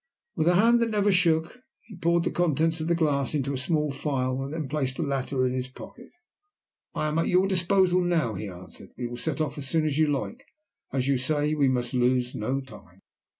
With a hand that never shook he poured the contents of the glass into a small phial, and then placed the latter in his pocket. "I am at your disposal now," he answered. "We will set off as soon as you like. As you say, we must lose no time."